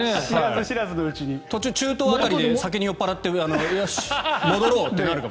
途中、中東辺りで酒に酔っ払ってよし、戻ろうとなるかも。